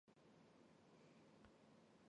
同班的吉川后来加入。